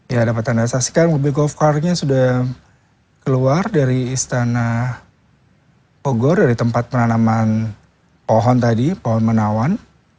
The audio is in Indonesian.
ya dapat anda saksikan mobil golf car nya sudah keluar dari istana bogor dari tempat penanaman pohon tadi pohon menawan